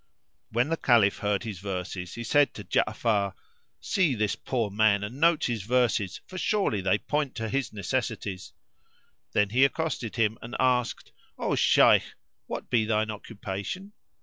When the Caliph heard his verses he said to Ja'afar, "See this poor man and note his verses, for surely they point to his necessities." Then he accosted him and asked, "O Shaykh, what be thine occupation?"